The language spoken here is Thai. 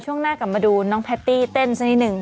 ช่วงหน้ากลับมาดูน้องแพตตี้เต้นสักนิดหนึ่ง